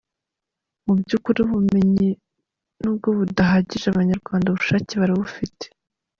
Mu by’ukuri ubumenyi nubwo budahagije, abanyarwanda ubushake barabufite.